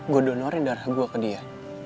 gue donorin darah gue ke dia